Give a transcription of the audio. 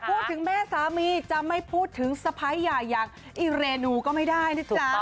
พูดถึงแม่สามีจะไม่พูดถึงสะพ้ายใหญ่อย่างอิเรนูก็ไม่ได้นะจ๊ะ